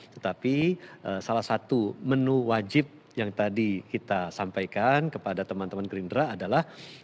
tetapi salah satu menu wajib yang tadi kita sampaikan kepada teman teman gerindra adalah